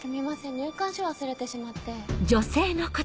入館証を忘れてしまって。